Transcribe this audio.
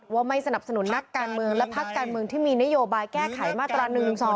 ว่าไม่สนับสนุนนักการเมืองและพักการเมืองที่มีนโยบายแก้ไขมาตรา๑๑๒